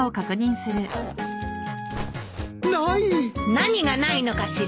・何がないのかしら？